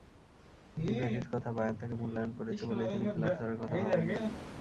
রিবেরির কথা, বায়ার্ন তাঁকে মূল্যায়ন করেছে বলেই তিনি ক্লাব ছাড়ার কথা ভাবেননি।